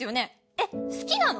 えっ好きなの？